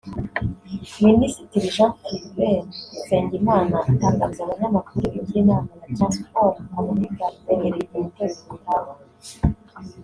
Ministiri Jean Philbert Nsengimana atangariza abanyamakuru iby’inama ya Transform Afurika itegerejwe mu kwezi gutaha